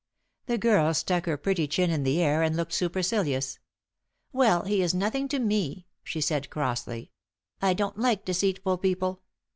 The girl stuck her pretty chin in the air and looked supercilious. "Well, he is nothing to me," she said, crossly. "I don't like deceitful people.